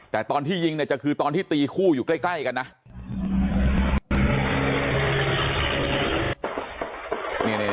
แต่ตอนที่ยิงเนี่ยจะคือตอนที่ตีคู่อยู่ใกล้กันนะ